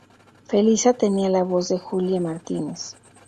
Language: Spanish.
Felisa tenía la voz de Julia Martínez.